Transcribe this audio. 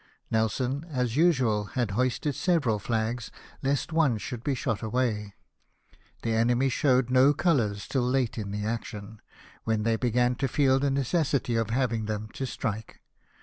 Nelson, as usual, had hoisted several flags lest one should be shot away. The enemy showed no colours till late in the action, when they began to feel the necessity of having them to strike.